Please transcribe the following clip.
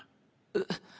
えっ？